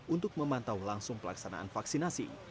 untuk memantau langsung pelaksanaan vaksinasi